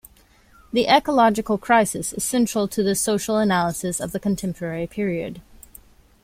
The ecological crisis is central to this social analysis of the contemporary period.